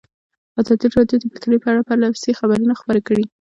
ازادي راډیو د بیکاري په اړه پرله پسې خبرونه خپاره کړي.